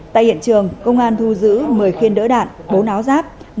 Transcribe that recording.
tại hiện trường công an thu giữ một mươi phiên đỡ đạn bốn áo giáp